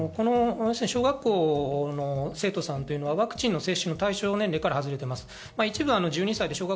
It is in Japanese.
小学校の生徒さんはワクチン接種を対象年齢から外れています。